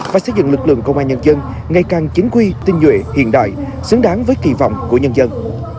và xây dựng lực lượng công an nhân dân ngày càng chính quy tinh nhuệ hiện đại xứng đáng với kỳ vọng của nhân dân